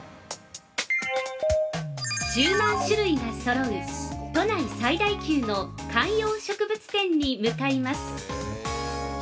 ◆１０万種類がそろう都内最大級の観葉植物店に向かいます。